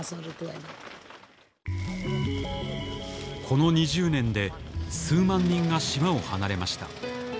この２０年で数万人が島を離れました